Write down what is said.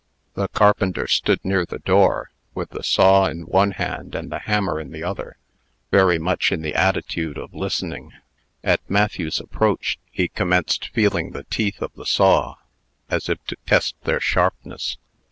The carpenter stood near the door, with the saw in one hand and the hammer in the other, very much in the attitude of listening. At Matthew's approach, he commenced feeling the teeth of the saw, as if to test their sharpness.